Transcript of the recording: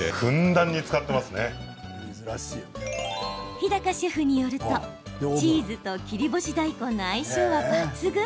日高シェフによると、チーズと切り干し大根の相性は抜群。